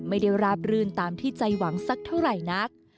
ราบรื่นตามที่ใจหวังสักเท่าไหร่นัก